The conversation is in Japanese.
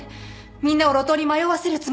みんなを路頭に迷わせるつもり？